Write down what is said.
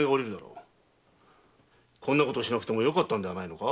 こんなことをしなくてもよかったんではないのか？